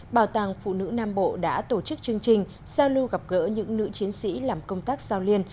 bảo tàng phụ nữ nam bộ đã tổ chức chương trình giao lưu gặp gỡ những nữ chiến sĩ làm công tác giao liên